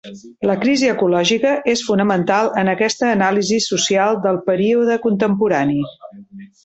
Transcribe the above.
La crisi ecològica és fonamental en aquesta anàlisi social del període contemporani.